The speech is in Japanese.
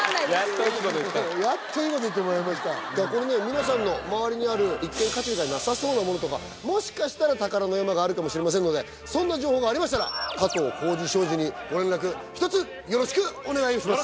皆さんの周りにある一見価値がなさそうなものとかもしかしたら宝の山があるかもしれませんのでそんな情報がありましたら加藤浩次商事にご連絡ひとつよろしくお願いします。